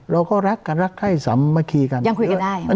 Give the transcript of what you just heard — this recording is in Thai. เราก็รักกันรักให้สำคีกัน